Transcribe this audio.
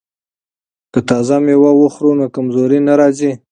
که تازه میوه وخورو نو کمزوري نه راځي.